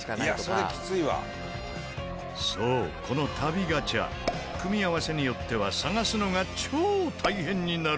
そうこの旅ガチャ組み合わせによっては探すのが超大変になる事も。